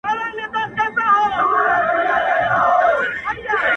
ستونزه په اخترونو کي نه ده